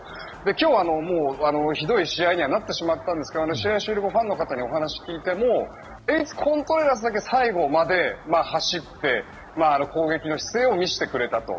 今日、ひどい試合にはなってしまったんですが試合終了後ファンの方にお話を聞いてもエース、コントレラスだけ最後まで走って攻撃の姿勢を見せてくれたと。